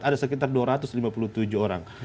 ada sekitar dua ratus lima puluh tujuh orang